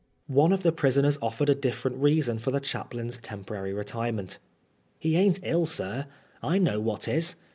One of the prisoners offered a different reason for the chaplain's temporary retirement. " He ain't ill, sir. I knows what 'tis.